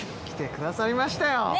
来てくださいましたよ。